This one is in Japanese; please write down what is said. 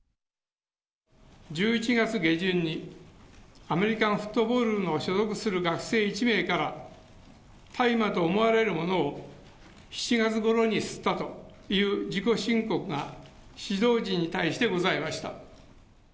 １１月下旬に、アメリカンフットボール部に所属する学生１名から、大麻と思われるものを７月ごろに吸ったという自己申告が、指導陣に対してございました。